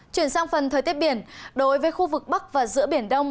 chuyển sang phần thời tiết biển đối với khu vực bắc và giữa biển đông